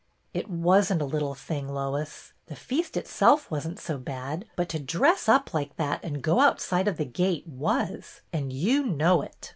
" It was n't a little thing, Lois. The feast itself was n't so bad, but to dress up like that and go outside of the gate was, and you know it.